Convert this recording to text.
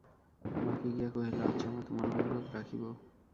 মাকে গিয়া কহিল, আচ্ছা মা, তোমার অনুরোধ রাখিব।